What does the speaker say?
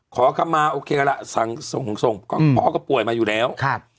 ขอคำมาโอเคกันล่ะสั่งส่งก็พ่อก็ป่วยมาอยู่แล้ว